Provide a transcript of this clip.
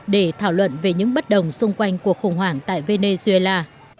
để thảo luận về những bất đồng xung quanh cuộc khủng hoảng tại venezuela